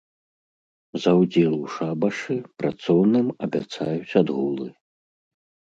За ўдзел у шабашы працоўным абяцаюць адгулы.